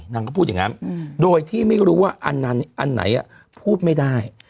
นางก็พูดอย่างนั้นโดยที่ไม่รู้ว่าอันไหนพูดไม่ได้